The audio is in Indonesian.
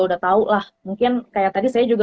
udah tahu lah mungkin kayak tadi saya juga